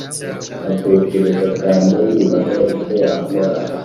atekereza cyane yibaza icyo yakora